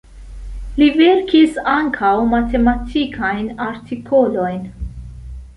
Li verkis ankaŭ matematikajn artikolojn.